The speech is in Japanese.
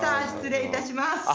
失礼いたします。